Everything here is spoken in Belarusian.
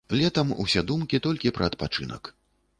Летам усе думкі толькі пра адпачынак.